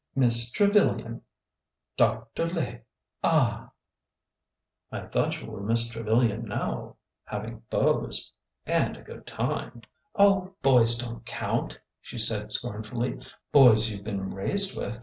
"Miss Trevilian, Dr. Lay! Ah h !"" I thought you were Miss Trevilian now— having beaus— and a good time." " Oh, boys don't count," she said scornfully—" boys you 've been raised with.